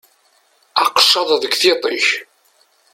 Aqeccaḍ deg tiṭ-ik!